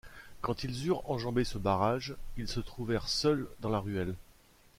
Quand ils eurent enjambé ce barrage, ils se trouvèrent seuls dans la ruelle.